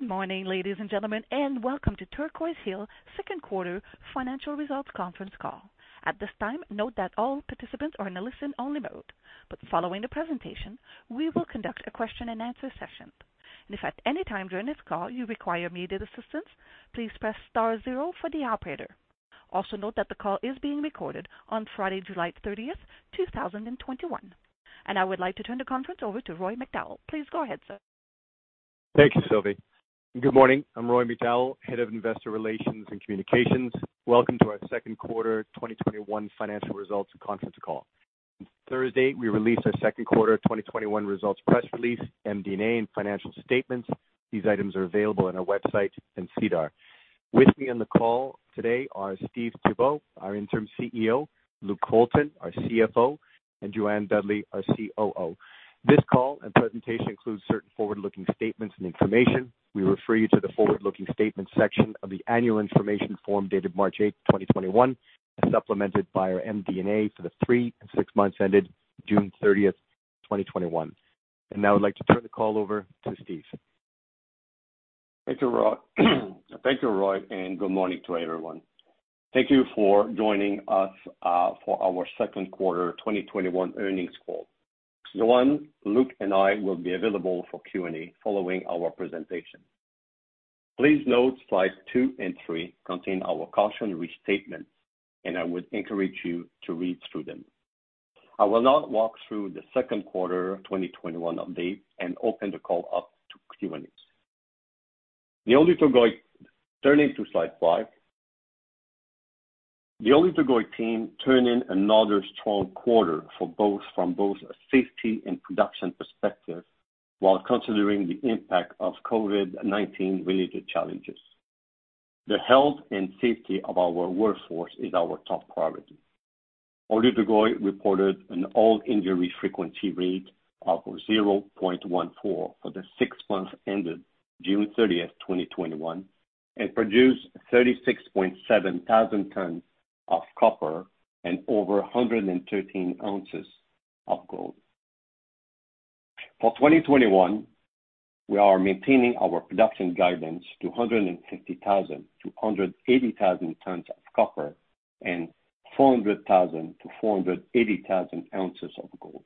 Good morning, ladies and gentlemen, welcome to Turquoise Hill second quarter financial results conference call. At this time, note that all participants are in a listen-only mode. Following the presentation, we will conduct a question and answer session. If at any time during this call you require immediate assistance, please press star zero for the operator. Also note that the call is being recorded on Friday, July 30th, 2021. I would like to turn the conference over to Roy McDowall. Please go ahead, sir. Thank you, Sylvie. Good morning. I'm Roy McDowall, Head of Investor Relations and Communications. Welcome to our Q2 2021 financial results conference call. On Thursday, we released our Q2 2021 results press release, MD&A, and financial statements. These items are available on our website in SEDAR. With me on the call today are Steve Thibeault, our Interim Chief Executive Officer, Luke Colton, our Chief Financial Officer, and Jo-Anne Dudley, our Chief Operating Officer. This call and presentation includes certain forward-looking statements and information. We refer you to the forward-looking statements section of the annual information form dated March eight, 2021, as supplemented by our MD&A for the three and six months ended June 30th, 2021. Now I'd like to turn the call over to Steve. Thank you, Roy. Thank you, Roy. Good morning to everyone. Thank you for joining us for our second quarter 2021 earnings call. Jo-Anne, Luke, and I will be available for Q&A following our presentation. Please note slides two and three contain our cautionary statements. I would encourage you to read through them. I will now walk through the second quarter 2021 update and open the call up to Q&A. Turning to slide five, the Oyu Tolgoi team turned in another strong quarter from both a safety and production perspective, while considering the impact of COVID-19 related challenges. The health and safety of our workforce is our top priority. Oyu Tolgoi reported an All-Injury Frequency Rate of zero point one four for the six months ended June 30th, 2021, and produced 36.7 thousand tons of copper and over 113 ounces of gold. For 2021, we are maintaining our production guidance to 150,000-180,000 tons of copper and 400,000-480,000 ounces of gold.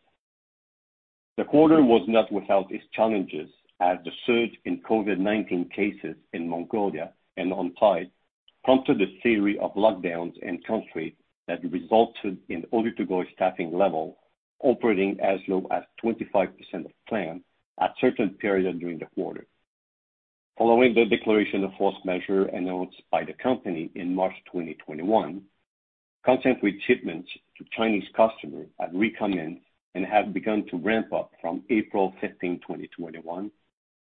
The quarter was not without its challenges, as the surge in COVID-19 cases in Mongolia and on-site prompted a series of lockdowns in country that resulted in Oyu Tolgoi staffing level operating as low as 25% of plan at certain periods during the quarter. Following the declaration of force majeure announced by the company in March 2021, concentrate shipments to Chinese customers have recommenced and have begun to ramp up from April 15th, 2021,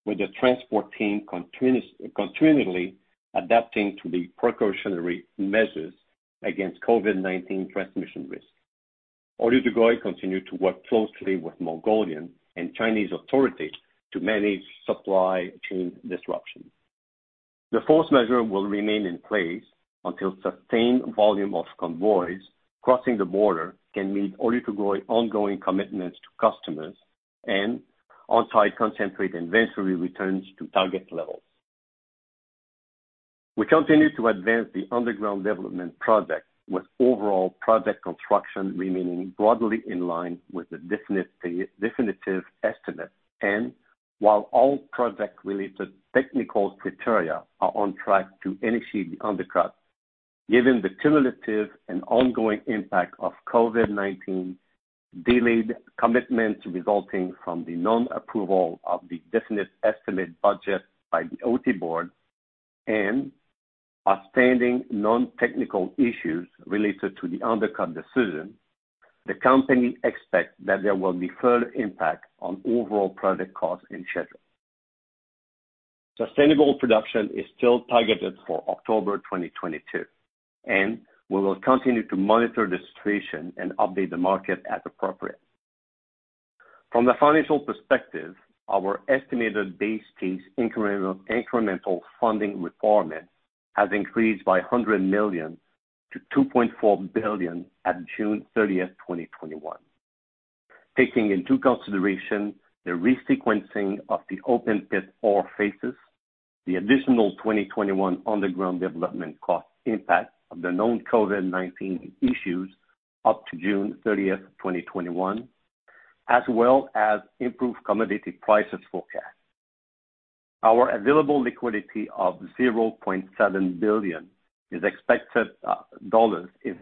with the transport team continually adapting to the precautionary measures against COVID-19 transmission risk. Oyu Tolgoi continued to work closely with Mongolian and Chinese authorities to manage supply chain disruptions. The force majeure will remain in place until sustained volume of convoys crossing the border can meet Oyu Tolgoi ongoing commitments to customers and on-site concentrate inventory returns to target levels. We continue to advance the underground development project with overall project construction remaining broadly in line with the definitive estimate. While all project related technical criteria are on track to initiate the undercut, given the cumulative and ongoing impact of COVID-19, delayed commitments resulting from the non-approval of the definitive estimate budget by the OT board, and outstanding non-technical issues related to the undercut decision, the company expects that there will be further impact on overall project cost and schedule. Sustainable production is still targeted for October 2022, and we will continue to monitor the situation and update the market as appropriate. From the financial perspective, our estimated base case incremental funding requirement has increased by $100 million to $2.4 billion at June 30th, 2021. Taking into consideration the resequencing of the open pit ore phases, the additional 2021 underground development cost impact of the known COVID-19 issues up to June 30th, 2021, as well as improved commodity prices forecast. Our available liquidity of $0.7 billion is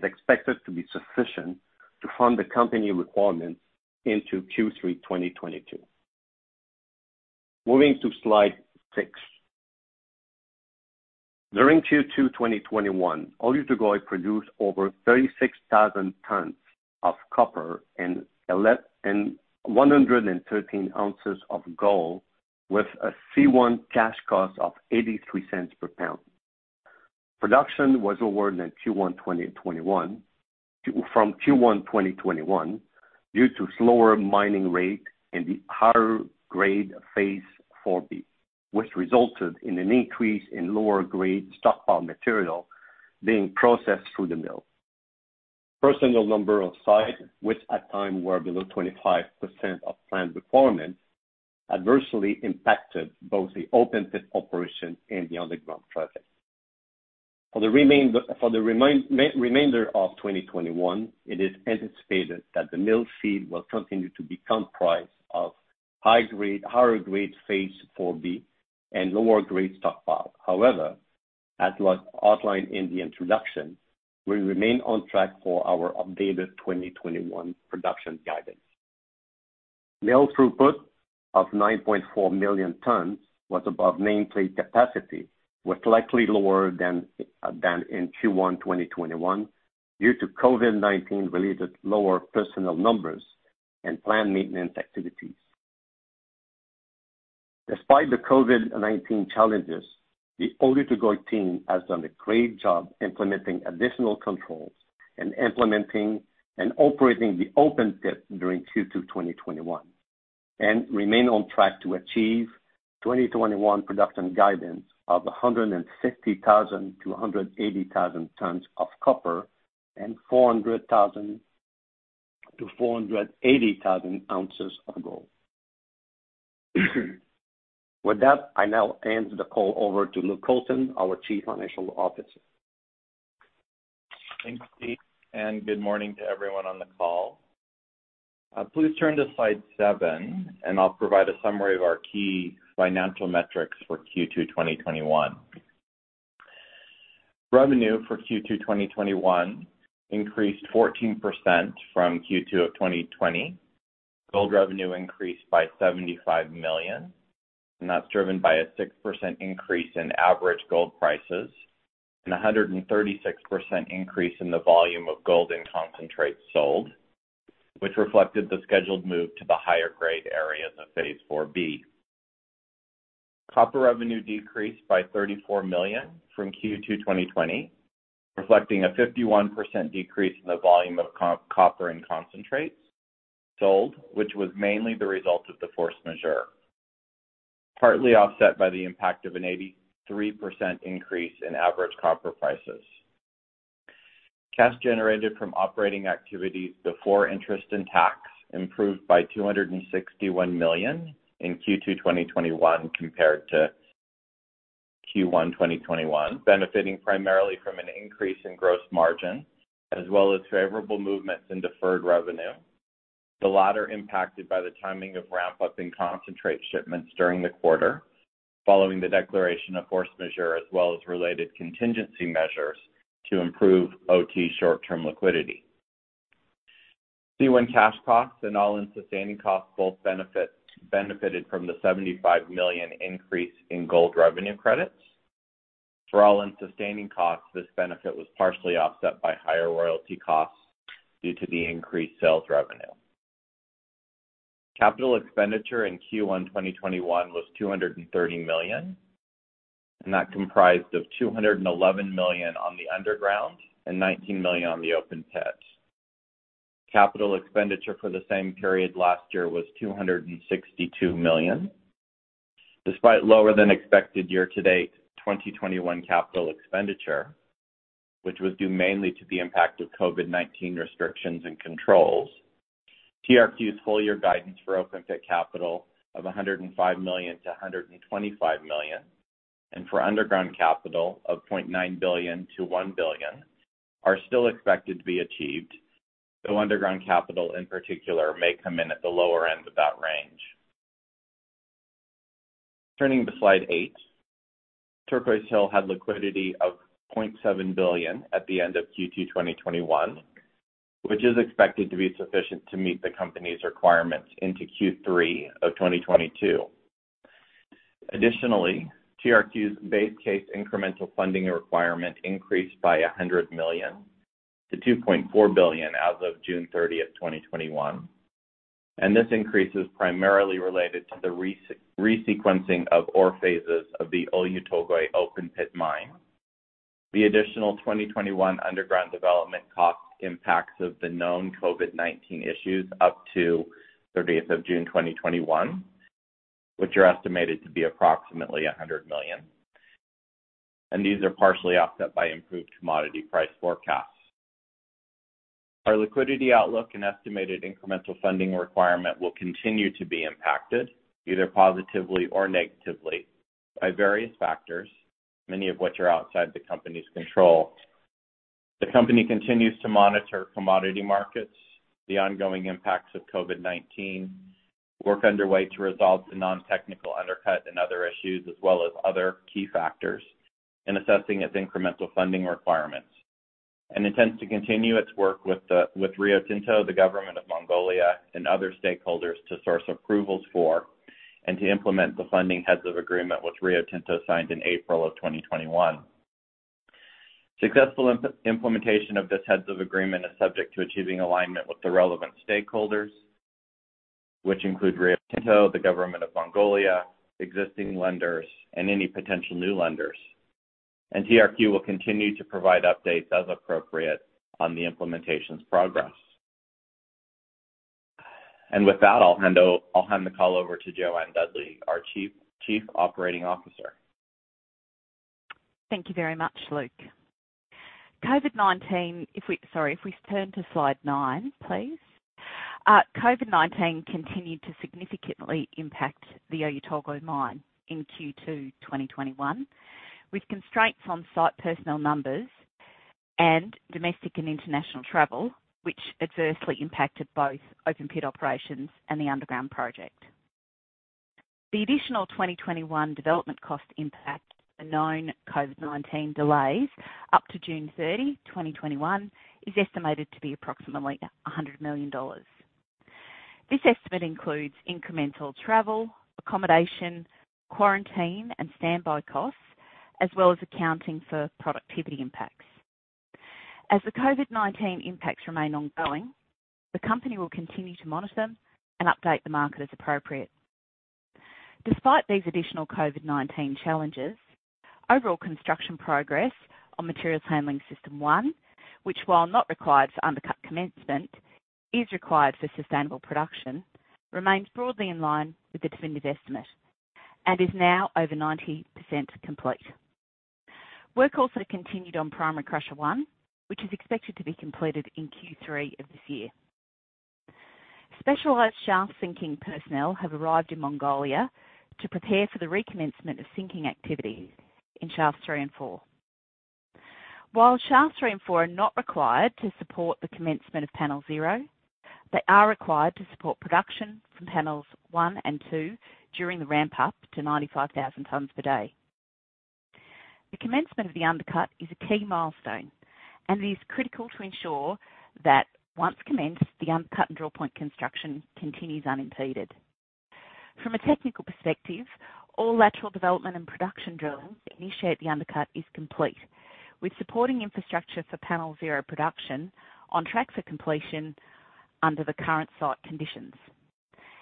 expected to be sufficient to fund the company requirements into Q3 2022. Moving to slide six. During Q2 2021, Oyu Tolgoi produced over 36,000 tons of copper and 113 ounces of gold with a C1 cash cost of $0.83 per pound. Production was lower than from Q1 2021 due to slower mining rate in the higher grade Phase 4B, which resulted in an increase in lower grade stockpile material being processed through the mill. Personnel number on site, which at times were below 25% of planned performance, adversely impacted both the open pit operation and the underground traffic. For the remainder of 2021, it is anticipated that the mill feed will continue to be comprised of higher grade Phase 4B and lower grade stockpile. As was outlined in the introduction, we remain on track for our updated 2021 production guidance. Mill throughput of 9.4 million tons was above nameplate capacity, was slightly lower than in Q1 2021 due to COVID-19 related lower personnel numbers and plant maintenance activities. Despite the COVID-19 challenges, the Oyu Tolgoi team has done a great job implementing additional controls and implementing and operating the open pit during Q2 2021, and remain on track to achieve 2021 production guidance of 160,000-180,000 tons of copper and 400,000-480,000 ounces of gold. With that, I now hand the call over to Luke Colton, our Chief Financial Officer. Thanks, Steve, and good morning to everyone on the call. Please turn to slide seven and I'll provide a summary of our key financial metrics for Q2 2021. Revenue for Q2 2021 increased 14% from Q2 of 2020. Gold revenue increased by $75 million, and that's driven by a six percent increase in average gold prices and 136% increase in the volume of gold in concentrates sold, which reflected the scheduled move to the higher grade areas of Phase 4B. Copper revenue decreased by $34 million from Q2 2020, reflecting a 51% decrease in the volume of copper in concentrates sold, which was mainly the result of the force majeure, partly offset by the impact of an 83% increase in average copper prices. Cash generated from operating activities before interest and tax improved by $261 million in Q2 2021 compared to Q1 2021, benefiting primarily from an increase in gross margin, as well as favorable movements in deferred revenue, the latter impacted by the timing of ramp-up in concentrate shipments during the quarter following the declaration of force majeure, as well as related contingency measures to improve OT short-term liquidity. C1 cash costs and all-in sustaining costs both benefited from the $75 million increase in gold revenue credits. For all-in sustaining costs, this benefit was partially offset by higher royalty costs due to the increased sales revenue. Capital expenditure in Q1 2021 was $230 million, and that comprised of $211 million on the underground and $19 million on the open pit. Capital expenditure for the same period last year was $262 million. Despite lower than expected year-to-date 2021 capital expenditure, which was due mainly to the impact of COVID-19 restrictions and controls, TRQ's full year guidance for open pit capital of $105 million-$125 million, and for underground capital of $0.9 billion-$1 billion, are still expected to be achieved, though underground capital in particular may come in at the lower end of that range. Turning to slide eight, Turquoise Hill had liquidity of $0.7 billion at the end of Q2 2021, which is expected to be sufficient to meet the company's requirements into Q3 of 2022. Additionally, TRQ's base case incremental funding requirement increased by $100 million to $2.4 billion as of June 30, 2021. This increase is primarily related to the resequencing of ore phases of the Oyu Tolgoi open pit mine. The additional 2021 underground development cost impacts of the known COVID-19 issues up to 30th of June 2021, which are estimated to be approximately $100 million. These are partially offset by improved commodity price forecasts. Our liquidity outlook and estimated incremental funding requirement will continue to be impacted, either positively or negatively, by various factors, many of which are outside the company's control. The company continues to monitor commodity markets, the ongoing impacts of COVID-19, work underway to resolve the non-technical undercut and other issues, as well as other key factors in assessing its incremental funding requirements, and intends to continue its work with Rio Tinto, the government of Mongolia, and other stakeholders to source approvals for and to implement the funding heads of agreement which Rio Tinto signed in April of 2021. Successful implementation of this heads of agreement is subject to achieving alignment with the relevant stakeholders, which include Rio Tinto, the Government of Mongolia, existing lenders, and any potential new lenders. TRQ will continue to provide updates as appropriate on the implementation's progress. With that, I'll hand the call over to Jo-Anne Dudley, our chief operating officer. Thank you very much, Luke. If we turn to slide nine, please. COVID-19 continued to significantly impact the Oyu Tolgoi mine in Q2 2021, with constraints on site personnel numbers and domestic and international travel, which adversely impacted both open pit operations and the underground project. The additional 2021 development cost impact of the known COVID-19 delays up to June 30, 2021, is estimated to be approximately $100 million. This estimate includes incremental travel, accommodation, quarantine, and standby costs, as well as accounting for productivity impacts. As the COVID-19 impacts remain ongoing, the company will continue to monitor them and update the market as appropriate. Despite these additional COVID-19 challenges, overall construction progress on Materials Handling System 1, which while not required for undercut commencement, is required for sustainable production, remains broadly in line with the definitive estimate and is now over 90% complete. Work also continued on Primary Crusher 1, which is expected to be completed in Q3 of this year. Specialized shaft sinking personnel have arrived in Mongolia to prepare for the recommencement of sinking activity in Shafts 3 and 4. While Shafts 3 and 4 are not required to support the commencement of Panel Zero, they are required to support production from Panels 1 and 2 during the ramp up to 95,000 tons per day. The commencement of the undercut is a key milestone and is critical to ensure that once commenced, the undercut and drill point construction continues unimpeded. From a technical perspective, all lateral development and production drilling to initiate the undercut is complete, with supporting infrastructure for Panel Zero production on track for completion under the current site conditions.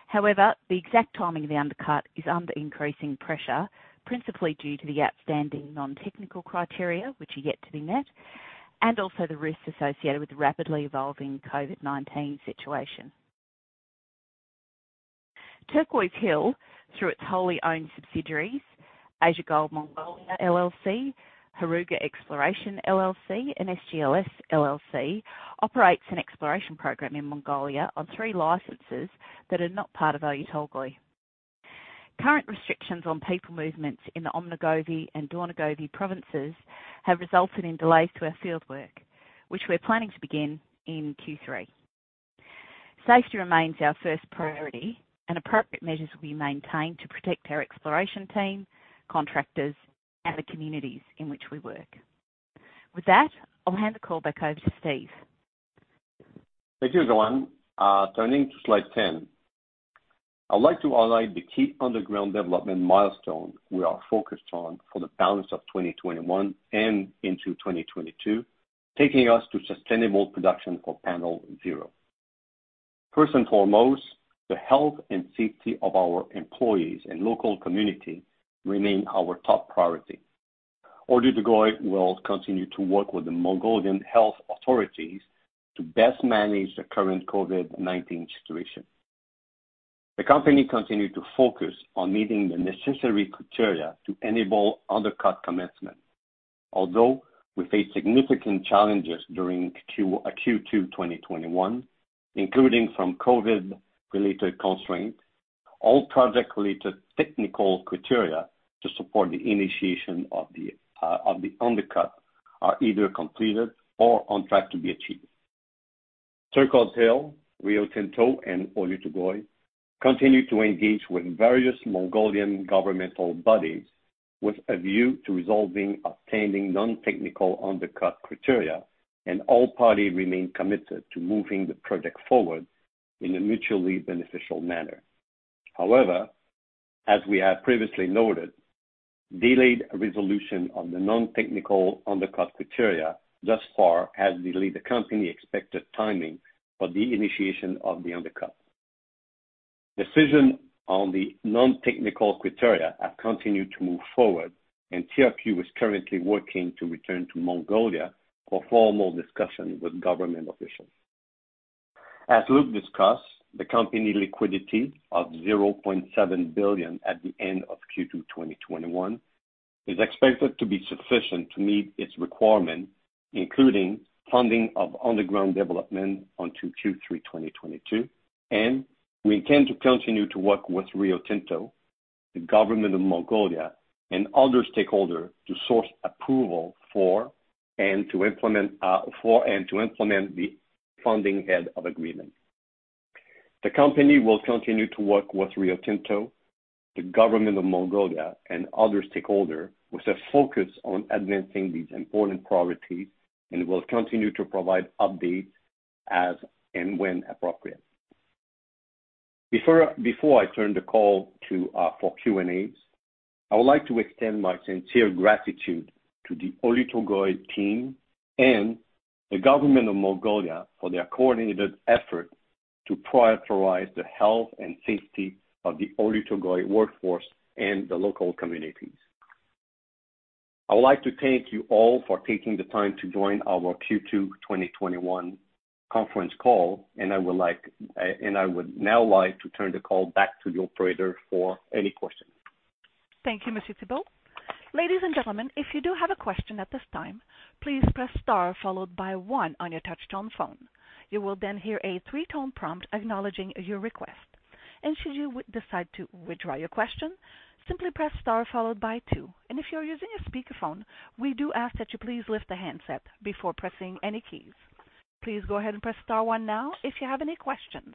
However, the exact timing of the undercut is under increasing pressure, principally due to the outstanding non-technical criteria, which are yet to be met, and also the risks associated with the rapidly evolving COVID-19 situation. Turquoise Hill, through its wholly owned subsidiaries, Asia Gold Mongolia LLC, Heruga Exploration LLC, and SGLS LLC, operates an exploration program in Mongolia on three licenses that are not part of Oyu Tolgoi. Current restrictions on people movements in the Omnogovi and Dornogovi provinces have resulted in delays to our fieldwork, which we're planning to begin in Q3. Safety remains our first priority, and appropriate measures will be maintained to protect our exploration team, contractors, and the communities in which we work. With that, I'll hand the call back over to Steve. Thank you, Jo-Anne. Turning to slide 10. I would like to outline the key underground development milestone we are focused on for the balance of 2021 and into 2022, taking us to sustainable production for Panel Zero. First and foremost, the health and safety of our employees and local community remain our top priority. Oyu Tolgoi will continue to work with the Mongolian health authorities to best manage the current COVID-19 situation. The company continued to focus on meeting the necessary criteria to enable undercut commencement. Although we faced significant challenges during Q2 2021, including from COVID-related constraints, all project-related technical criteria to support the initiation of the undercut are either completed or on track to be achieved. Turquoise Hill, Rio Tinto, and Oyu Tolgoi continue to engage with various Mongolian governmental bodies with a view to resolving outstanding non-technical undercut criteria, and all parties remain committed to moving the project forward in a mutually beneficial manner. However, as we have previously noted, delayed resolution of the non-technical undercut criteria thus far has delayed the company expected timing for the initiation of the undercut. Decisions on the non-technical criteria have continued to move forward, and TRQ is currently working to return to Mongolia for formal discussion with government officials. As Luke discussed, the company liquidity of $0.7 billion at the end of Q2 2021 is expected to be sufficient to meet its requirement, including funding of underground development on to Q3 2022, and we intend to continue to work with Rio Tinto, the government of Mongolia, and other stakeholders to source approval for and to implement the funding heads of agreement. The company will continue to work with Rio Tinto, the government of Mongolia, and other stakeholders with a focus on advancing these important priorities and will continue to provide updates as and when appropriate. Before I turn the call for Q&As, I would like to extend my sincere gratitude to the Oyu Tolgoi team and the government of Mongolia for their coordinated effort to prioritize the health and safety of the Oyu Tolgoi workforce and the local community. I would like to thank you all for taking the time to join our Q2 2021 conference call, and I would now like to turn the call back to the operator for any questions. Thank you, Mr. Thibeault. Ladies and gentlemen, if you do have a question at this time, please press star followed by one on your touch-tone phone. You will then hear a three-tone prompt acknowledging your request. Should you decide to withdraw your question, simply press star followed by two. If you're using a speakerphone, we do ask that you please lift the handset before pressing any keys. Please go ahead and press star one now if you have any questions.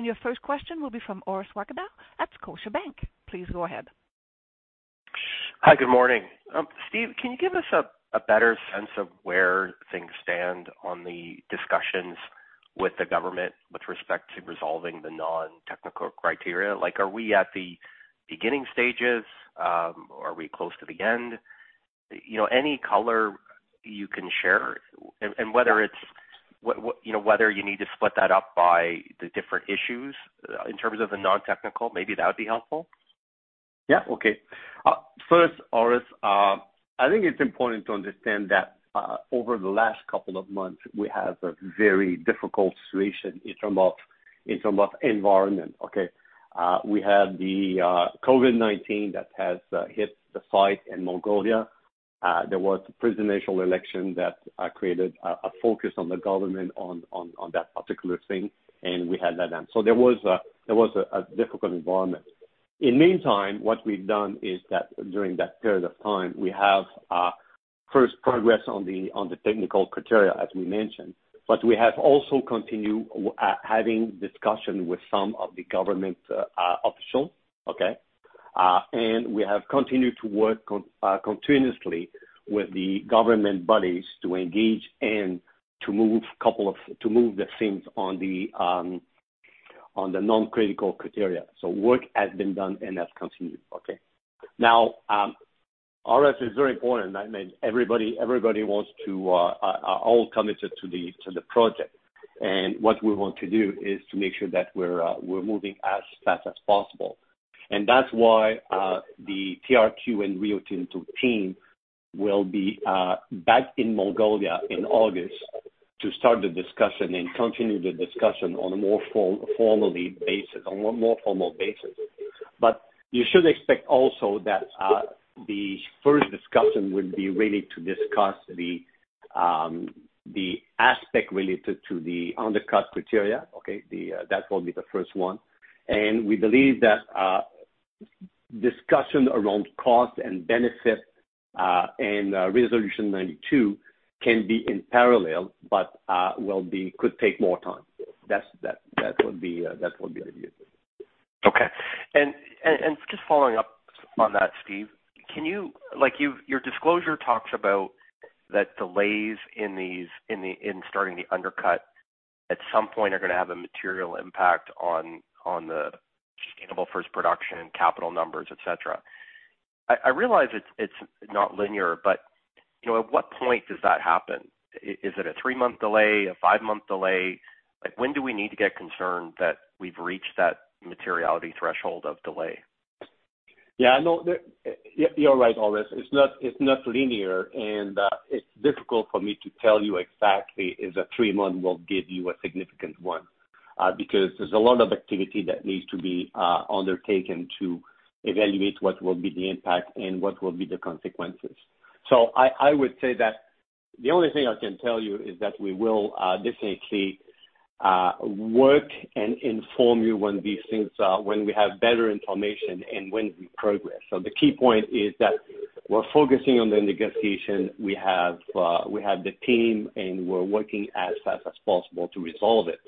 Your first question will be from Orest Wowkodaw at Scotiabank. Please go ahead. Hi, good morning. Steve, can you give us a better sense of where things stand on the discussions with the government with respect to resolving the non-technical criteria? Are we at the beginning stages? Are we close to the end? Any color you can share, whether you need to split that up by the different issues in terms of the non-technical, maybe that would be helpful. Yeah. Okay. First, Orest Wowkodaw, I think it's important to understand that over the last couple of months, we have a very difficult situation in terms of environment. Okay. We had the COVID-19 that has hit the site in Mongolia. There was a presidential election that created a focus on the government on that particular thing, and we had that. There was a difficult environment. In the meantime, what we've done is that during that period of time, we have first progress on the technical criteria, as we mentioned, but we have also continued having discussion with some of the government officials. Okay. We have continued to work continuously with the government bodies to engage and to move the things on the non-critical criteria. Work has been done and has continued. Okay. Now, Orest, it's very important. Everybody are all committed to the project. What we want to do is to make sure that we're moving as fast as possible. That's why the TRQ and Rio Tinto team will be back in Mongolia in August to start the discussion and continue the discussion on a more formal basis. You should expect also that the first discussion will be really to discuss the aspect related to the undercut criteria. Okay? That will be the first one. We believe that discussion around cost and benefit, and Resolution 92 can be in parallel, but could take more time. That would be the idea. Okay. Just following up on that, Steve, your disclosure talks about the delays in starting the undercut at some point are going to have a material impact on the sustainable first production and capital numbers, et cetera. I realize it's not linear, but at what point does that happen? Is it a three-month delay, a five-month delay? When do we need to get concerned that we've reached that materiality threshold of delay? Yeah. You're right, Orest. It's not linear, and it's difficult for me to tell you exactly if the three months will give you a significant one, because there's a lot of activity that needs to be undertaken to evaluate what will be the impact and what will be the consequences. I would say that the only thing I can tell you is that we will definitely work and inform you when we have better information and when we progress. The key point is that we're focusing on the negotiation. We have the team, and we're working as fast as possible to resolve it.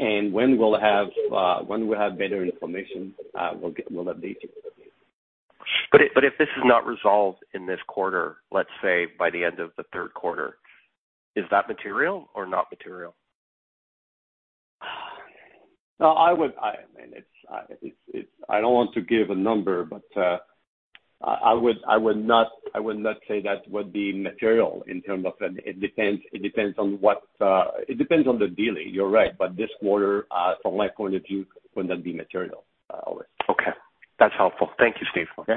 When we have better information, we'll update you. If this is not resolved in this quarter, let's say by the end of the third quarter, is that material or not material? I don't want to give a number, but I would not say that would be material. It depends on the delay, you're right. This quarter, from my point of view, would not be material, Orest. Okay. That's helpful. Thank you, Steve. Okay.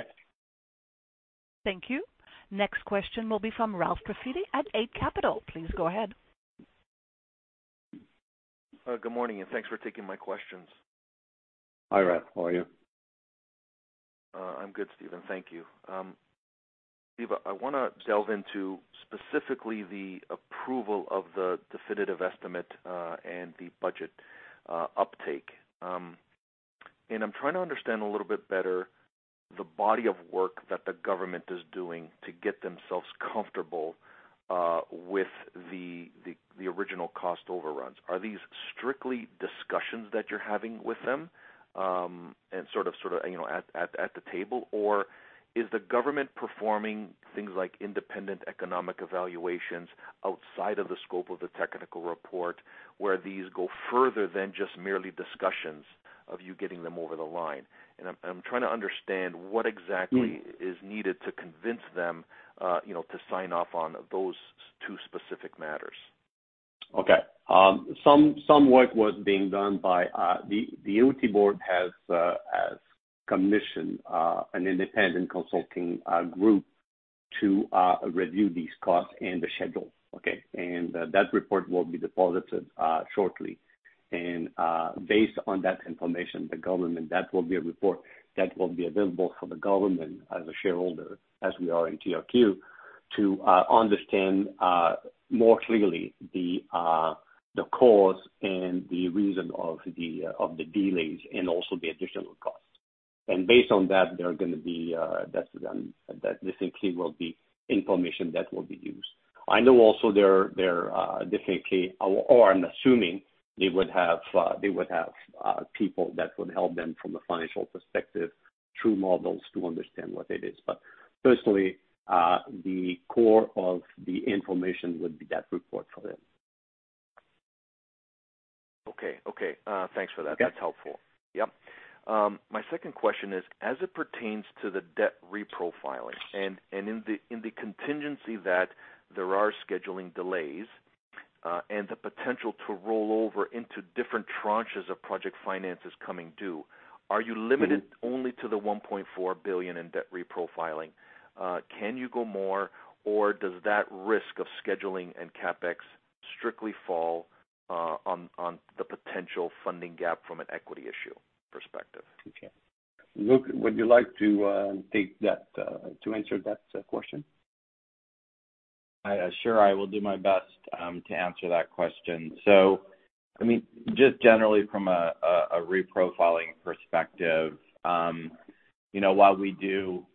Thank you. Next question will be from Ralph Profiti at Eight Capital. Please go ahead. Good morning. Thanks for taking my questions. Hi, Ralph. How are you? I'm good, Steve. Thank you. Steve, I want to delve into specifically the approval of the definitive estimate and the budget uptake. I'm trying to understand a little bit better the body of work that the government is doing to get themselves comfortable with the original cost overruns. Are these strictly discussions that you're having with them, and sort of at the table? Or is the government performing things like independent economic evaluations outside of the scope of the technical report, where these go further than just merely discussions of you getting them over the line? I'm trying to understand what exactly is needed to convince them to sign off on those two specific matters. Okay. Some work was being done. The OT board has commissioned an independent consulting group to review these costs and the schedule. Okay? That report will be deposited shortly. Based on that information, that will be a report that will be available for the government as a shareholder, as we are in TRQ, to understand more clearly the cause and the reason of the delays and also the additional costs. Based on that distinctly will be information that will be used. I know also there distinctly, or I am assuming they would have people that would help them from a financial perspective through models to understand what it is. Firstly, the core of the information would be that report for them. Okay. Thanks for that. That's helpful. Yep. My second question is, as it pertains to the debt reprofiling and in the contingency that there are scheduling delays and the potential to roll over into different tranches of project finances coming due, are you limited only to the $1.4 billion in debt reprofiling? Can you go more, or does that risk of scheduling and CapEx strictly fall on the potential funding gap from an equity issue perspective? Okay. Luke, would you like to answer that question? Sure. I will do my best to answer that question. Just generally from a reprofiling perspective, while we do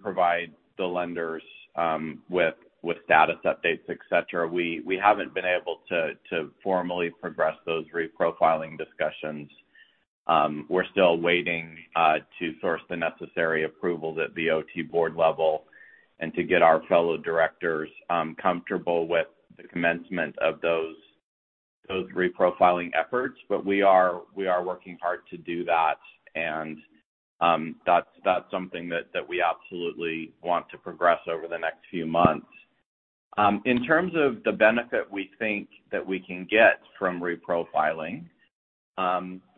provide the lenders with status updates, et cetera, we haven't been able to formally progress those reprofiling discussions. We're still waiting to source the necessary approvals at the OT board level and to get our fellow directors comfortable with the commencement of those reprofiling efforts. We are working hard to do that and that's something that we absolutely want to progress over the next few months. In terms of the benefit we think that we can get from reprofiling,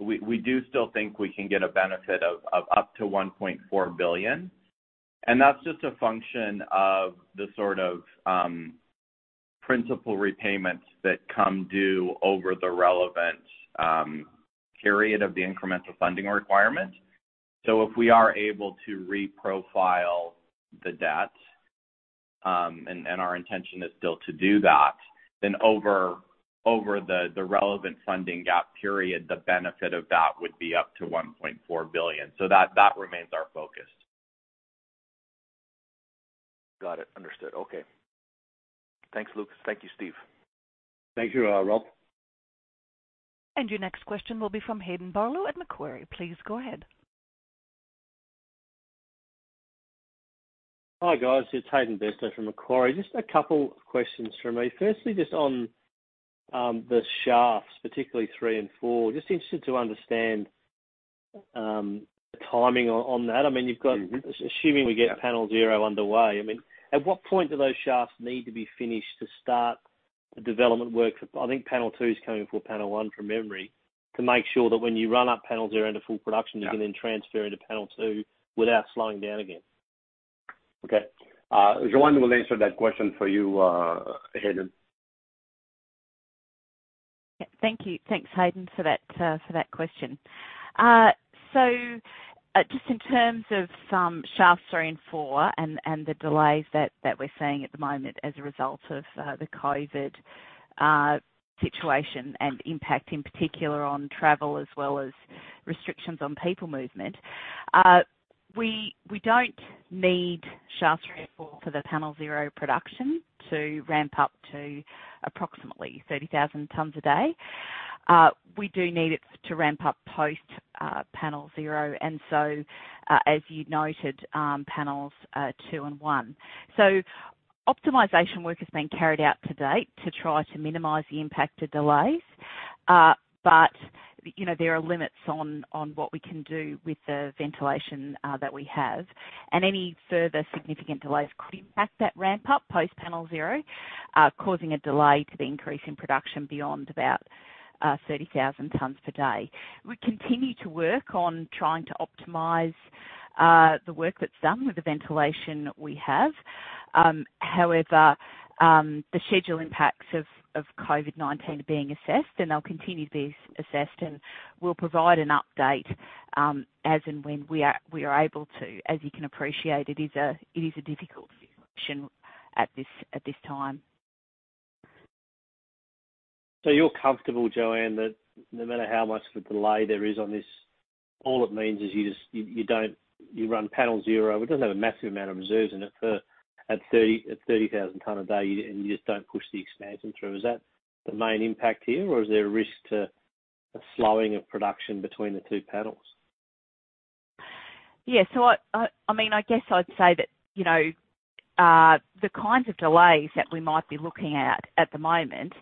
we do still think we can get a benefit of up to $1.4 billion, and that's just a function of the sort of principal repayments that come due over the relevant period of the incremental funding requirement. If we are able to reprofile the debt, and our intention is still to do that, then over the relevant funding gap period, the benefit of that would be up to $1.4 billion. That remains our focus. Got it. Understood. Okay. Thanks, Luke. Thank you, Steve. Thank you, Ralph. Your next question will be from Hayden Bairstow at Macquarie. Please go ahead. Hi, guys. It's Hayden Bairstow from Macquarie. Just a couple questions from me. Firstly, just on the shafts, particularly three and four, just interested to understand the timing on that. Assuming we get Panel Zero underway, at what point do those shafts need to be finished to start the development work? I think Panel 2 is coming before Panel 1, from memory. To make sure that when you run up Panel Zero into full production. You can then transfer into Panel 2 without slowing down again. Okay. Jo-Anne Dudley will answer that question for you, Hayden Bairstow. Thank you. Thanks, Hayden, for that question. Just in terms of Shafts 3 and 4 and the delays that we're seeing at the moment as a result of the COVID-19 situation and impact, in particular on travel, as well as restrictions on people movement, we don't need shaft three and four for the Panel Zero production to ramp up to approximately 30,000 tons a day. We do need it to ramp up post Panel Zero. As you noted, Panels 2 and 1. Optimization work is being carried out to date to try to minimize the impact of delays. There are limits on what we can do with the ventilation that we have, and any further significant delays could impact that ramp up post Panel Zero, causing a delay to the increase in production beyond about 30,000 tons per day. We continue to work on trying to optimize the work that's done with the ventilation we have. However, the schedule impacts of COVID-19 are being assessed, and they'll continue to be assessed, and we'll provide an update, as and when we are able to. As you can appreciate, it is a difficult situation at this time. You're comfortable, Jo-Anne Dudley, that no matter how much of a delay there is on this, all it means is you run Panel Zero. It doesn't have a massive amount of reserves in it at 30,000 tons a day and you just don't push the expansion through. Is that the main impact here, or is there a risk to a slowing of production between the two panels? I guess I'd say that the kinds of delays that we might be looking at at the moment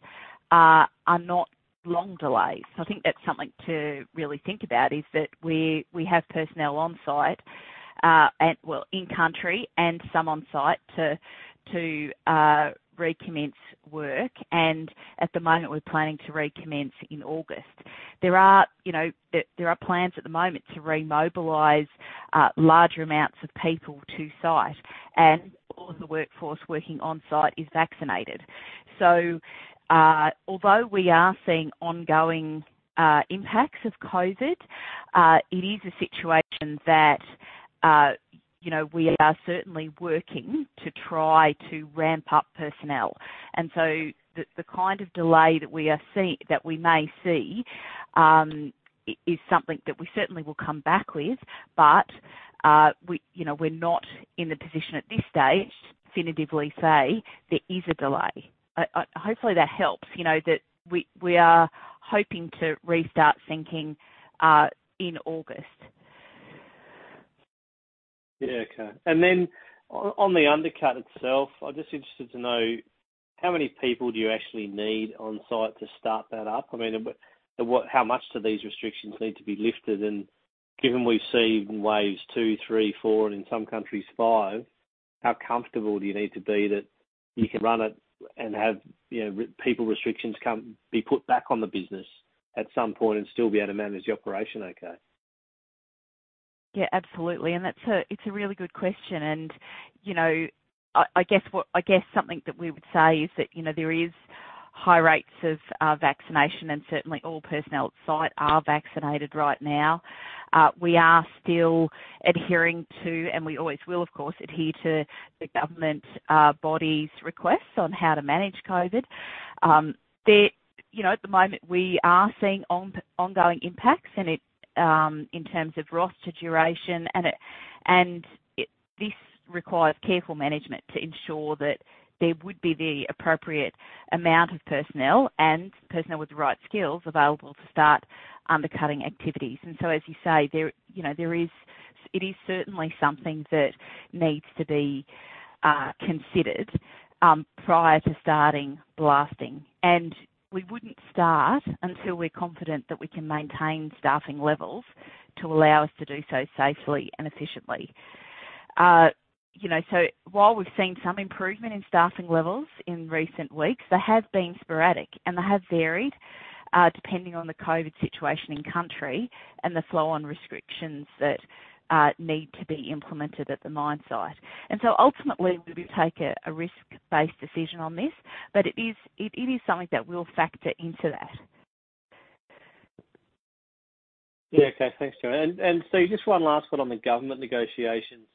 are not long delays. I think that's something to really think about, is that we have personnel on-site. Well, in country and some on-site to recommence work. At the moment, we're planning to recommence in August. There are plans at the moment to remobilize larger amounts of people to site, and all of the workforce working on-site is vaccinated. Although we are seeing ongoing impacts of COVID, it is a situation that we are certainly working to try to ramp up personnel. The kind of delay that we may see, is something that we certainly will come back with. We're not in the position at this stage to definitively say there is a delay. Hopefully, that helps. That we are hoping to restart sinking in August. Yeah, okay. On the undercut itself, I'm just interested to know, how many people do you actually need on site to start that up? How much do these restrictions need to be lifted? Given we've seen waves two, three, four, and in some countries, five, how comfortable do you need to be that you can run it and have people restrictions be put back on the business at some point and still be able to manage the operation okay? Absolutely. It's a really good question. I guess something that we would say is that, there is high rates of vaccination and certainly all personnel at site are vaccinated right now. We are still adhering to, and we always will, of course, adhere to the government body's requests on how to manage COVID. At the moment, we are seeing ongoing impacts in terms of roster duration and this requires careful management to ensure that there would be the appropriate amount of personnel and personnel with the right skills available to start undercutting activities. As you say, it is certainly something that needs to be considered prior to starting blasting. We wouldn't start until we're confident that we can maintain staffing levels to allow us to do so safely and efficiently. While we've seen some improvement in staffing levels in recent weeks, they have been sporadic, and they have varied, depending on the COVID situation in country and the flow on restrictions that need to be implemented at the mine site. Ultimately, we take a risk-based decision on this, but it is something that we'll factor into that. Yeah. Okay. Thanks, Jo-Anne. Steve, just one last one on the government negotiations.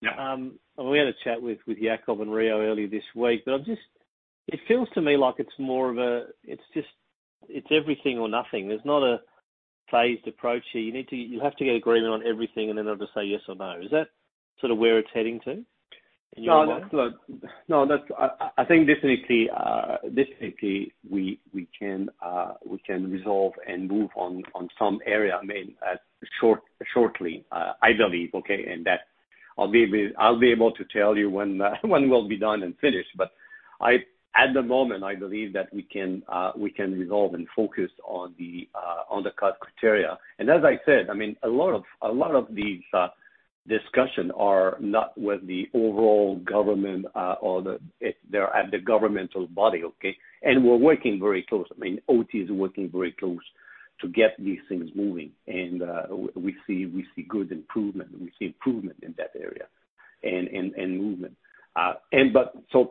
Yeah. We had a chat with Jakob and Rio earlier this week, but it feels to me like it's everything or nothing. There's not a phased approach here. You have to get agreement on everything, and then they'll just say yes or no. Is that sort of where it's heading to, in your mind? No, I think definitely we can resolve and move on some area shortly, I believe, okay? That I'll be able to tell you when we'll be done and finished, but at the moment, I believe that we can resolve and focus on the cut criteria. As I said, a lot of these discussions are not with the overall government or they're at the governmental body, okay? We're working very close. OT is working very close to get these things moving. We see good improvement. We see improvement in that area and movement.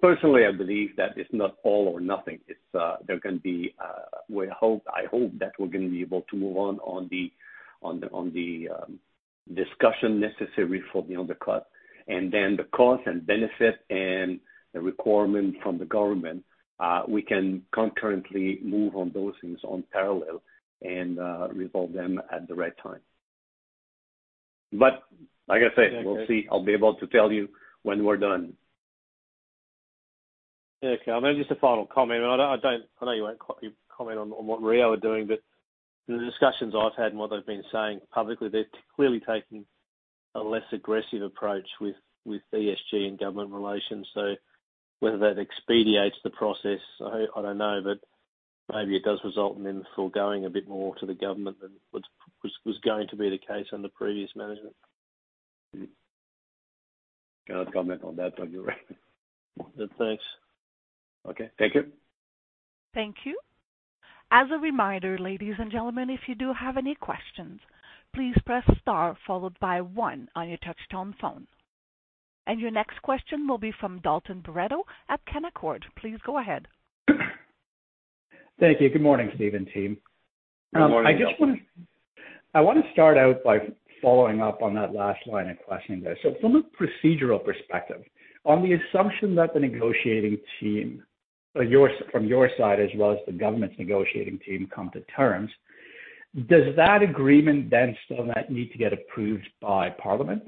Personally, I believe that it's not all or nothing. I hope that we're going to be able to move on the discussion necessary for the undercut. The cost and benefit and the requirement from the government, we can concurrently move on those things on parallel and resolve them at the right time. Like I said. We'll see. I'll be able to tell you when we're done. Okay. Just a final comment. I know you won't comment on what Rio are doing, but the discussions I've had and what they've been saying publicly, they're clearly taking a less aggressive approach with ESG and government relations. Whether that expedites the process, I don't know, but maybe it does result in them foregoing a bit more to the government than was going to be the case under previous management. Cannot comment on that, but you're right. Thanks. Okay. Thank you. Thank you. As a reminder, ladies and gentlemen, if you do have any questions, please press star followed by one on your touch-tone phone. Your next question will be from Dalton Baretto at Canaccord. Please go ahead. Thank you. Good morning, Steve and team. Good morning, Dalton. I want to start out by following up on that last line of questioning there. From a procedural perspective, on the assumption that the negotiating team from your side, as well as the government's negotiating team, come to terms, does that agreement still need to get approved by parliament?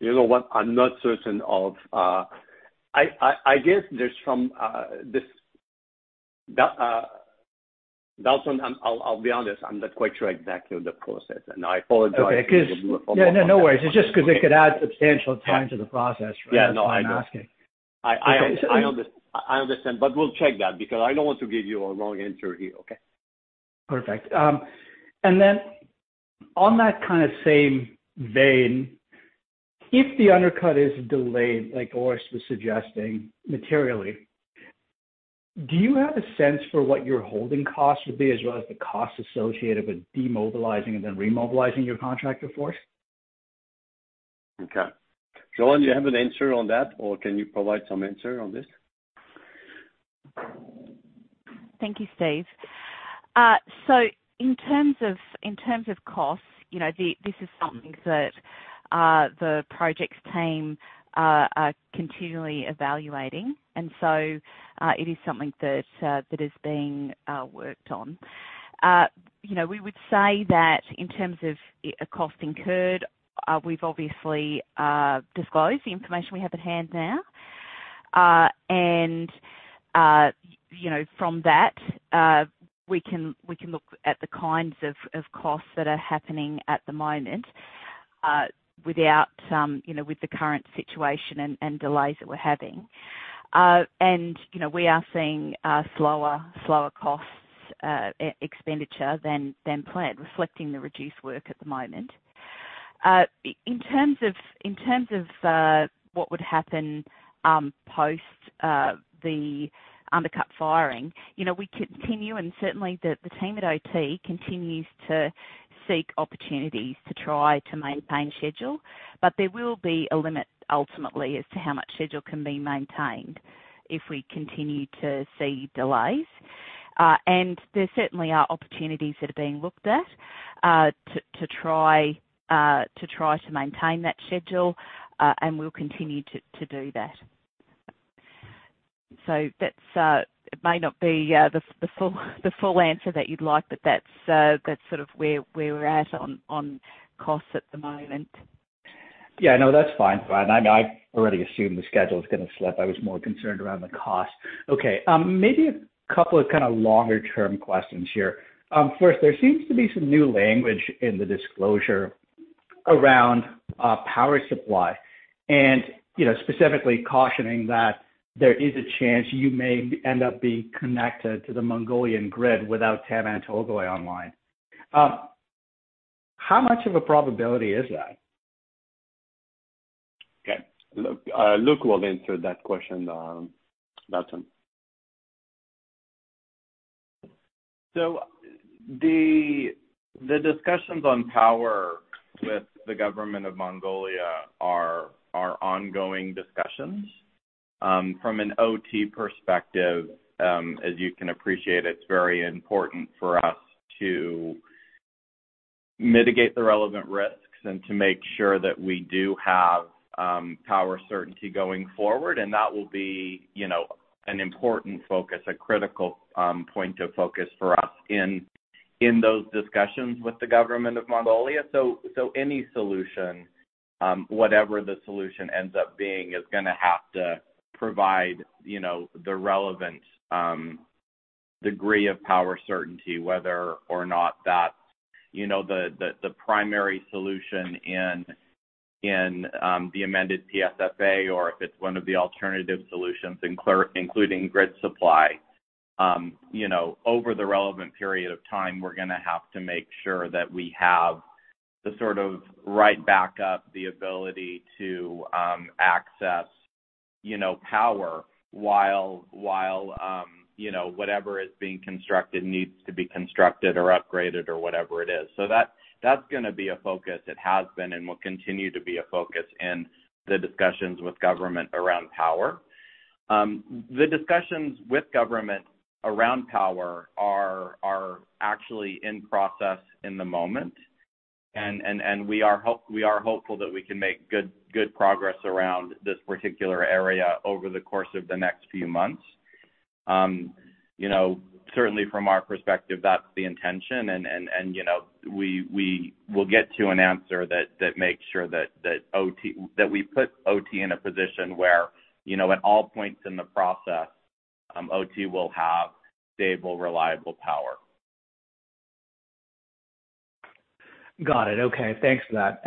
You know what? I'm not certain of Dalton, I'll be honest, I'm not quite sure exactly of the process, and I apologize if you were Okay. No, no worries. It's just because it could add substantial time to the process, right? Yeah. No, I know. That's why I'm asking. I understand, but we'll check that because I don't want to give you a wrong answer here. Perfect. Then on that same vein, if the undercut is delayed, like Orest was suggesting, materially, do you have a sense for what your holding costs would be as well as the costs associated with demobilizing and then remobilizing your contractor force? Okay. Jo-Anne, do you have an answer on that, or can you provide some answer on this? Thank you, Steve. In terms of costs, this is something that the projects team are continually evaluating. It is something that is being worked on. We would say that in terms of a cost incurred, we've obviously disclosed the information we have at hand now. From that, we can look at the kinds of costs that are happening at the moment with the current situation and delays that we're having. We are seeing slower costs expenditure than planned, reflecting the reduced work at the moment. In terms of what would happen post the undercut firing, we continue, and certainly the team at OT continues to seek opportunities to try to maintain schedule. There will be a limit, ultimately, as to how much schedule can be maintained if we continue to see delays. There certainly are opportunities that are being looked at to try to maintain that schedule, and we'll continue to do that. It may not be the full answer that you'd like, but that's sort of where we're at on costs at the moment. Yeah, no, that's fine. I already assumed the schedule is going to slip. I was more concerned around the cost. Okay, maybe couple kinda longer-term questions here. First, there seems to be some new language in the disclosure around power supply and specifically cautioning that there is a chance you may end up being connected to the Mongolian grid without Tavan Tolgoi online. How much of a probability is that? Okay. Luke will answer that question, Dalton. The discussions on power with the government of Mongolia are ongoing discussions. From an OT perspective, as you can appreciate, it's very important for us to mitigate the relevant risks and to make sure that we do have power certainty going forward. That will be an important focus, a critical point of focus for us in those discussions with the government of Mongolia. Any solution, whatever the solution ends up being, is going to have to provide the relevant degree of power certainty, whether or not that the primary solution in the amended PSFA or if it's one of the alternative solutions, including grid supply. Over the relevant period of time, we're going to have to make sure that we have the sort of right back up, the ability to access power while whatever is being constructed needs to be constructed or upgraded or whatever it is. That's going to be a focus. It has been and will continue to be a focus in the discussions with government around power. The discussions with government around power are actually in process in the moment. We are hopeful that we can make good progress around this particular area over the course of the next few months. Certainly from our perspective, that's the intention. We will get to an answer that makes sure that we put OT in a position where at all points in the process, OT will have stable, reliable power. Got it. Okay. Thanks for that.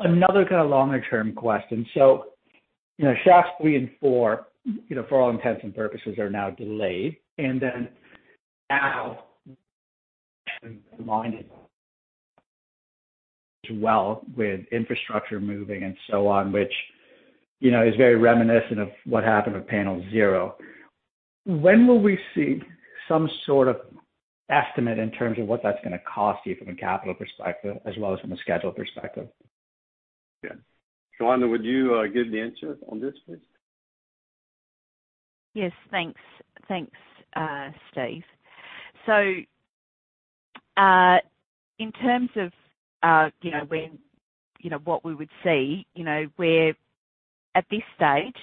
Another longer-term question. Shafts 3 and 4, for all intents and purposes, are now delayed. Now, as well with infrastructure moving and so on, which is very reminiscent of what happened with Panel Zero. When will we see some sort of estimate in terms of what that's going to cost you from a capital perspective as well as from a schedule perspective? Yeah. Jo-Anne Dudley, would you give the answer on this, please? Yes. Thanks. Thanks, Steve. In terms of what we would see, at this stage,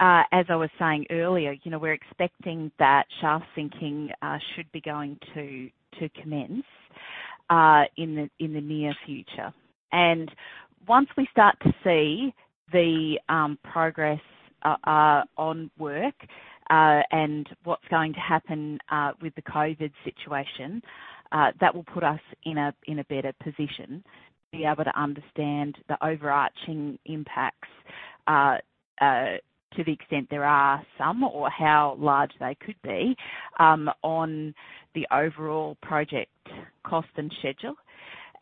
as I was saying earlier, we're expecting that shaft sinking should be going to commence in the near future. Once we start to see the progress on work and what's going to happen with the COVID-19 situation, that will put us in a better position to be able to understand the overarching impacts to the extent there are some or how large they could be on the overall project cost and schedule.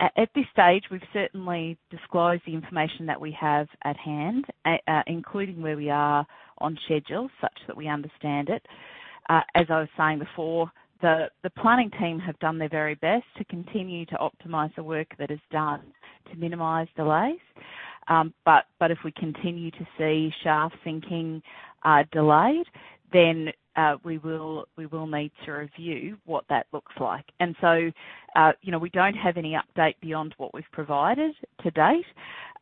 At this stage, we've certainly disclosed the information that we have at hand, including where we are on schedule such that we understand it. As I was saying before, the planning team have done their very best to continue to optimize the work that is done to minimize delays. If we continue to see shaft sinking delayed, then we will need to review what that looks like. We don't have any update beyond what we've provided to date.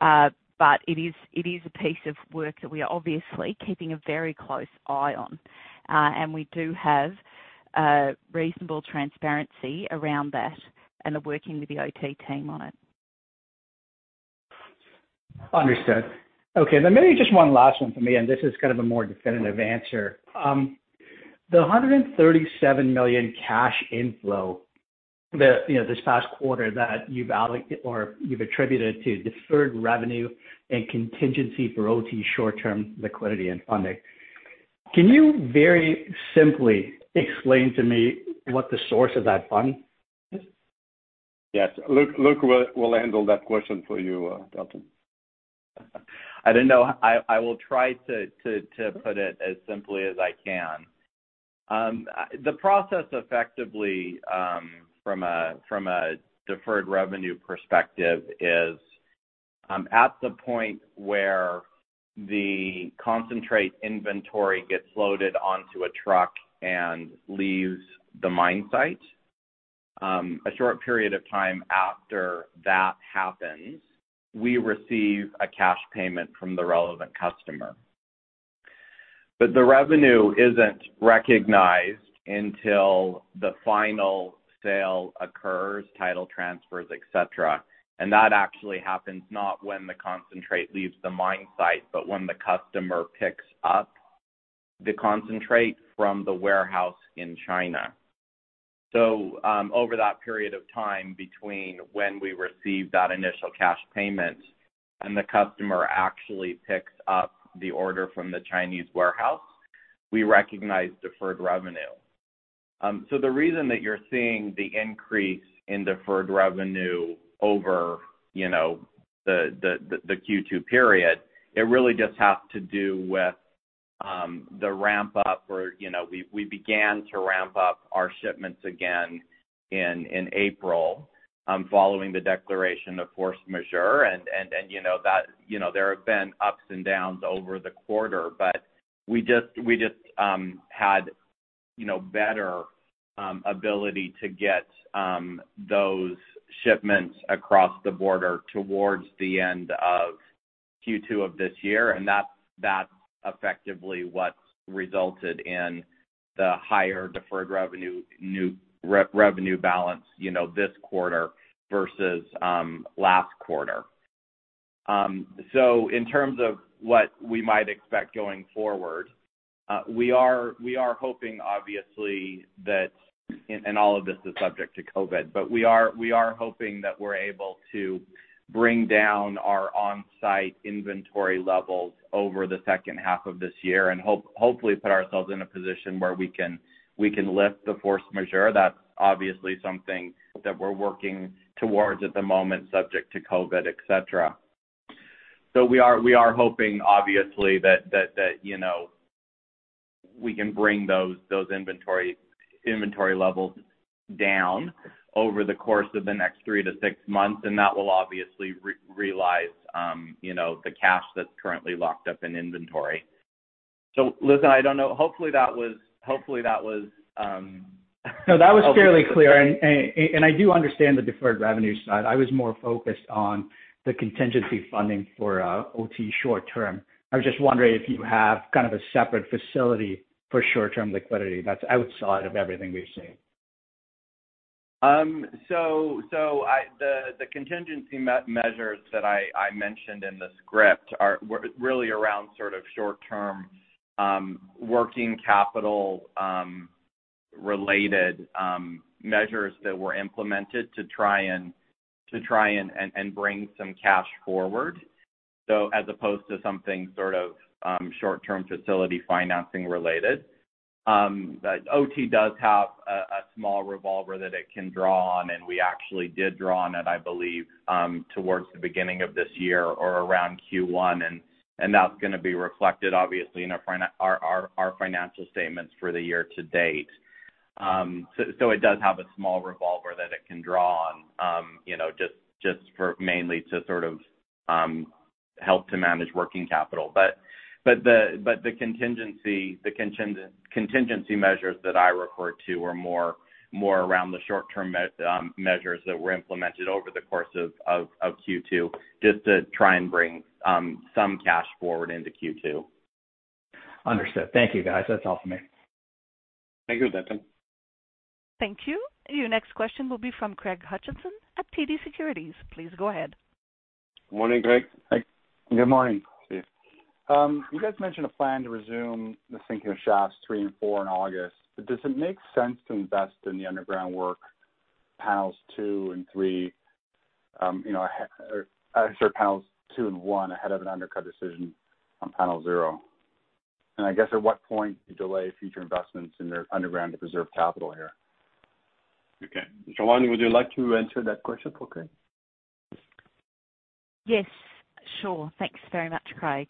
It is a piece of work that we are obviously keeping a very close eye on. We do have reasonable transparency around that and are working with the OT team on it. Understood. Okay, maybe just one last one for me, and this is kind of a more definitive answer. The $137 million cash inflow this past quarter that you have attributed to deferred revenue and contingency for OT short-term liquidity and funding. Can you very simply explain to me what the source of that funding is? Yes. Luke will handle that question for you, Dalton. I don't know. I will try to put it as simply as I can. The process effectively, from a deferred revenue perspective, is at the point where the concentrate inventory gets loaded onto a truck and leaves the mine site. A short period of time after that happens, we receive a cash payment from the relevant customer. The revenue isn't recognized until the final sale occurs, title transfers, et cetera, and that actually happens not when the concentrate leaves the mine site, but when the customer picks up the concentrate from the warehouse in China. Over that period of time between when we receive that initial cash payment and the customer actually picks up the order from the Chinese warehouse, we recognize deferred revenue. The reason that you're seeing the increase in deferred revenue over the Q2 period, it really just has to do with the ramp up, or we began to ramp up our shipments again in April, following the declaration of force majeure. There have been ups and downs over the quarter, but we just had better ability to get those shipments across the border towards the end of Q2 of this year, and that's effectively what's resulted in the higher deferred revenue balance this quarter versus last quarter. In terms of what we might expect going forward, we are hoping, obviously, and all of this is subject to COVID, but we are hoping that we're able to bring down our on-site inventory levels over the second half of this year and hopefully put ourselves in a position where we can lift the force majeure. That's obviously something that we're working towards at the moment, subject to COVID, et cetera. We are hoping, obviously, that we can bring those inventory levels down over the course of the next three to six months, and that will obviously realize the cash that's currently locked up in inventory. Listen, I don't know. No, that was fairly clear, and I do understand the deferred revenue side. I was more focused on the contingency funding for OT short-term. I was just wondering if you have kind of a separate facility for short-term liquidity that's outside of everything we've seen. The contingency measures that I mentioned in the script are really around sort of short-term working capital-related measures that were implemented to try and bring some cash forward, as opposed to something sort of short-term facility financing related. OT does have a small revolver that it can draw on, and we actually did draw on it, I believe, towards the beginning of this year or around Q1. That's going to be reflected, obviously, in our financial statements for the year to date. It does have a small revolver that it can draw on just for mainly to sort of help to manage working capital. The contingency measures that I referred to are more around the short-term measures that were implemented over the course of Q2, just to try and bring some cash forward into Q2. Understood. Thank you, guys. That's all for me. Thank you, Dalton. Thank you. Your next question will be from Craig Hutchison at TD Securities. Please go ahead. Morning, Craig. Good morning. You guys mentioned a plan to resume the sinking of Shafts 3 and 4 in August. Does it make sense to invest in the underground work, panels two and three, or actually Panels 2 and 1 ahead of an undercut decision on Panel Zero? I guess at what point do you delay future investments in the underground to preserve capital here? Okay. Jo-Anne Dudley, would you like to answer that question for Craig Hutchison? Yes. Sure. Thanks very much, Craig.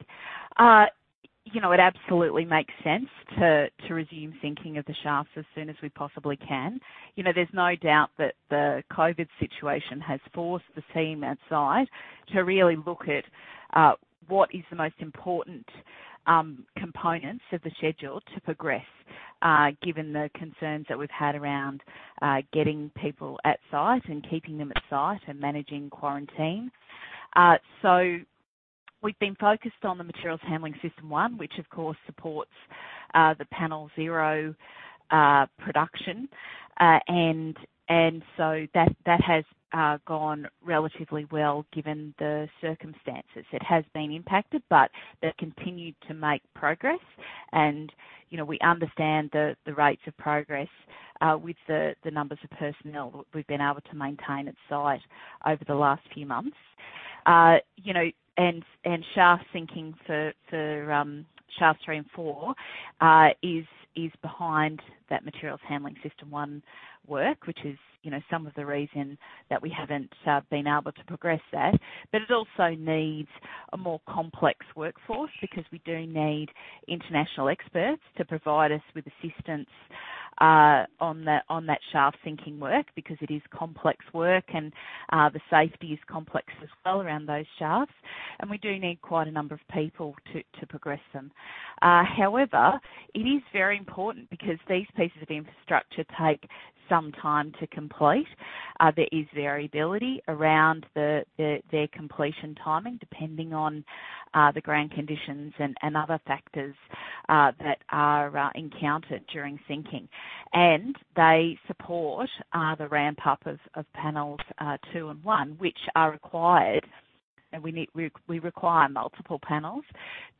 It absolutely makes sense to resume sinking of the shafts as soon as we possibly can. There's no doubt that the COVID-19 situation has forced the team at site to really look at what is the most important components of the schedule to progress, given the concerns that we've had around getting people at site and keeping them at site and managing quarantine. We've been focused on the Materials Handling System 1, which, of course, supports the Panel Zero production. That has gone relatively well, given the circumstances. It has been impacted, but they've continued to make progress. We understand the rates of progress, with the numbers of personnel that we've been able to maintain at site over the last few months. Shaft sinking for Shafts 3 and 4, is behind that Materials Handling System 1 work. Which is some of the reason that we haven't been able to progress that. It also needs a more complex workforce because we do need international experts to provide us with assistance on that shaft sinking work because it is complex work and the safety is complex as well around those shafts. We do need quite a number of people to progress them. However, it is very important because these pieces of infrastructure take some time to complete. There is variability around their completion timing, depending on the ground conditions and other factors that are encountered during sinking. They support the ramp-up of panels two and one, which are required. We require multiple panels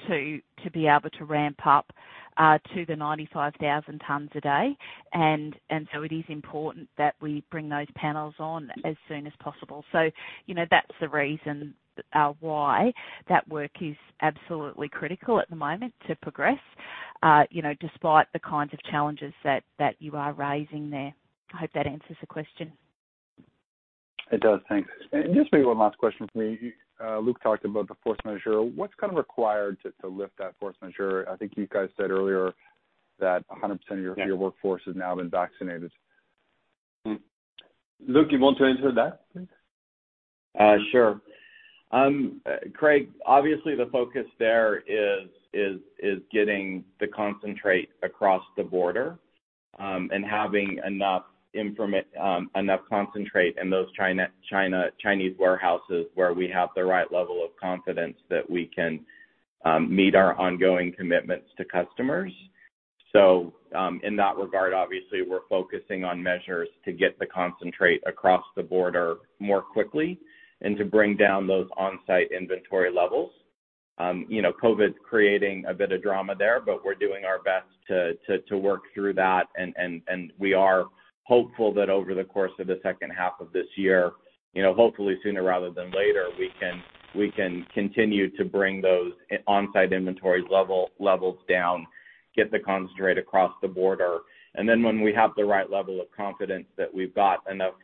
to be able to ramp up to the 95,000 tons a day. It is important that we bring those panels on as soon as possible. That's the reason why that work is absolutely critical at the moment to progress, despite the kinds of challenges that you are raising there. I hope that answers the question. It does. Thanks. Just maybe one last question for me. Luke talked about the force majeure. What's kind of required to lift that force majeure? I think you guys said earlier that 100% of your workforce has now been vaccinated. Luke, you want to answer that, please? Sure. Craig, obviously the focus there is getting the concentrate across the border, and having enough concentrate in those Chinese warehouses where we have the right level of confidence that we can meet our ongoing commitments to customers. In that regard, obviously, we're focusing on measures to get the concentrate across the border more quickly and to bring down those on-site inventory levels. COVID-19's creating a bit of drama there, but we're doing our best to work through that, and we are hopeful that over the course of the second half of this year, hopefully sooner rather than later, we can continue to bring those on-site inventories levels down, get the concentrate across the border. When we have the right level of confidence that we've got enough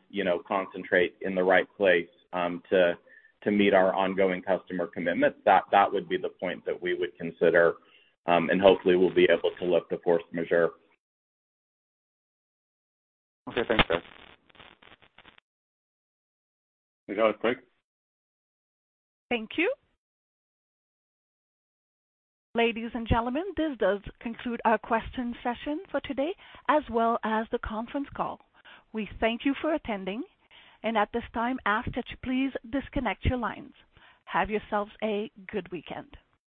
concentrate in the right place, to meet our ongoing customer commitments, that would be the point that we would consider, and hopefully we'll be able to lift the force majeure. Okay. Thanks, Luke. You got it, Craig. Thank you. Ladies and gentlemen, this does conclude our question session for today, as well as the conference call. We thank you for attending, and at this time ask that you please disconnect your lines. Have yourselves a good weekend.